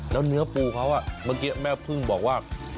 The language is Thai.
แล้วเนื้อปูเขาเมื่อกี้แม่พึ่งบอกว่า